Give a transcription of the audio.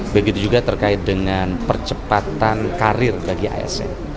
begitu juga terkait dengan percepatan karir bagi asn